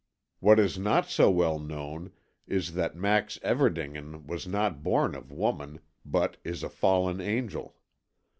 What is not so well known is that Max Everdingen was not born of woman, but is a fallen angel.